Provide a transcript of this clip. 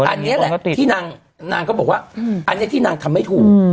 อันนี้แหละที่นางก็บอกว่าอันนี้ที่นางทำไม่ถูก